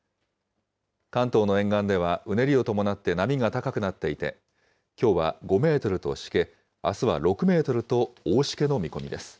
関東の沿岸では、うねりを伴って波が高くなっていて、きょうは５メートルとしけ、あすは６メートルと大しけの見込みです。